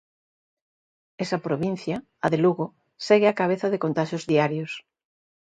Esa provincia, a de Lugo, segue á cabeza de contaxios diarios.